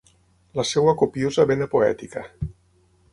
La seva copiosa vena poètica.